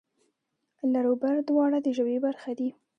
لر و بر دواړه د ژبې برخه دي.